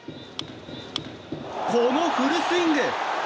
このフルスイング！